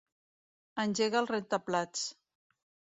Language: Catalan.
Engega el rentaplats.